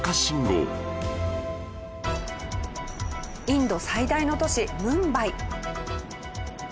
インド最大の都市ムンバイ。